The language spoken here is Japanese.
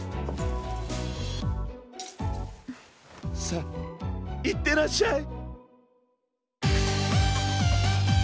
さあいってらっしゃい。